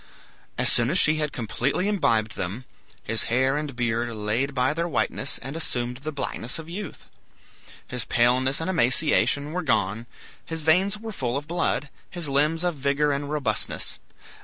As soon as he had completely imbibed them, his hair and beard laid by their whiteness and assumed the blackness of youth; his paleness and emaciation were gone; his veins were full of blood, his limbs of vigor and robustness.